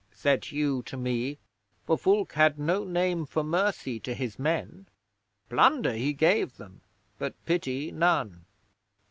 said Hugh to me; for Fulke had no name for mercy to his men. Plunder he gave them, but pity, none.